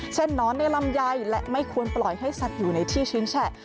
นอนในลำไยและไม่ควรปล่อยให้สัตว์อยู่ในที่ชื้นแฉะ